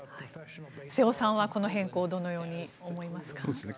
瀬尾さんはこの変更をどのように思いますか？